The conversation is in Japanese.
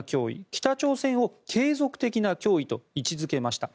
北朝鮮を継続的な脅威と位置付けました。